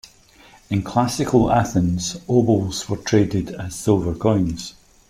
In Classical Athens, obols were traded as silver coins.